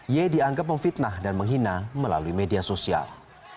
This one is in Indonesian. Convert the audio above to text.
y dianggap memfitnah dan menghina melalui media sosial